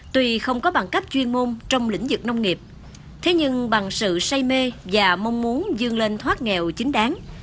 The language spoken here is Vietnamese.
tuy không có bằng cách chuyên môn trong lĩnh vực nông nghiệp thế nhưng bằng sự say mê và mong muốn dương lên thoát nghèo chính đáng